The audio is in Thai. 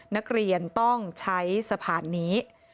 นักเรียนต้องใช้สะพานนี้